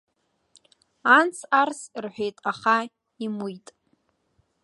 Анс-арс рҳәеит, аха имуит.